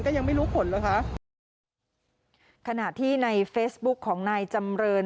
ยังไม่รู้ผลเหรอคะขณะที่ในเฟซบุ๊กของนายจำเริน